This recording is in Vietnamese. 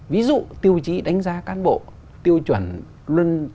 ví dụ tiêu chí đánh giá cán bộ tiêu chuẩn quy định về luân chuyển cán bộ